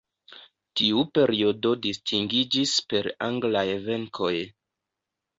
Tiu periodo distingiĝis per anglaj venkoj.